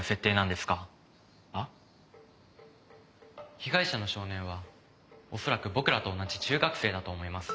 被害者の少年は恐らく僕らと同じ中学生だと思います。